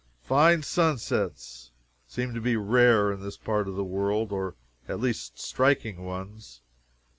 Fine sunsets seem to be rare in this part of the world or at least, striking ones.